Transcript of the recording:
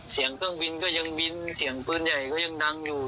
เสียงเครื่องบินก็ยังบินเสียงปืนใหญ่ก็ยังดังอยู่